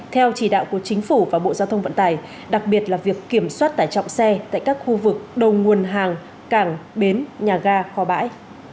theo chỉ đạo của chính phủ và bộ giao thông vận tải đặc biệt là việc kiểm soát tải trọng xe tại các khu vực đầu nguồn hàng cảng bến nhà ga kho bãi